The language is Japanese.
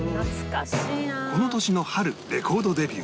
この年の春レコードデビュー